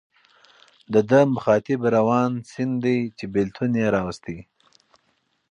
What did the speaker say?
د ده مخاطب روان سیند دی چې بېلتون یې راوستی.